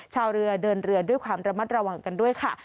ชาวเรือเดินเรือด้วยความระมัดระวังกันด้วยค่ะ